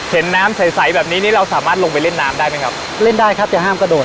เห็นน้ำใสใสแบบนี้นี่เราสามารถลงไปเล่นน้ำได้ไหมครับเล่นได้ครับจะห้ามกระโดด